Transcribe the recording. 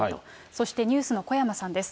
そして、ＮＥＷＳの小山さんです。